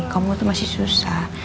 kamu tuh masih susah